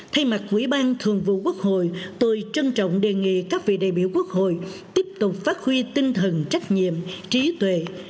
thay mặt quỹ ban thường vụ quốc hội tôi trân trọng đề nghị các vị đại biểu quốc hội tiếp tục phát huy tinh thần trách nhiệm trí tuệ